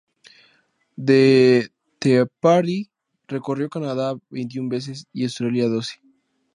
The Tea Party recorrió Canadá veintiún veces y Australia doce.